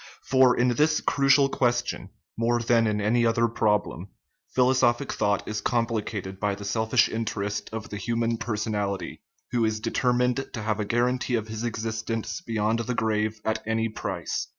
For in this crucial question, more than in any other problem, philosophic thought is compli cated by the selfish interest of the human personality, who is determined to have a guarantee of his existence beyond the grave at any price.